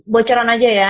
bocoran aja ya